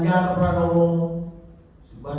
yang memiliki kekuasaan